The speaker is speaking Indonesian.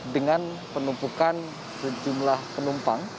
dengan penumpukan sejumlah penumpang